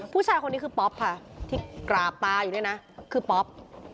ผู้ชายคนนี้คือป๊อปค่ะที่กราบตาอยู่เนี่ยนะคือป๊อป